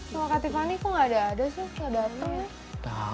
tunggu kak tiffani kok ga ada ada sih ga dateng